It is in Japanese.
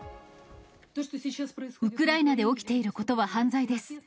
ウクライナで起きていることは犯罪です。